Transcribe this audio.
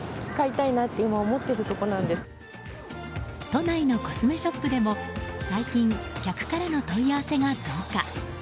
都内のコスメショップでも最近、客からの問い合わせが増加。